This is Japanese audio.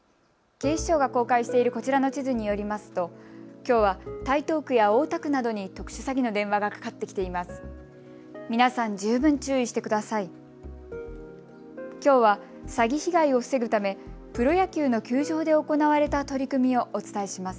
警視庁が公開しているこちらの地図によりますときょうは台東区や大田区などに特殊詐欺の電話がかかってきています。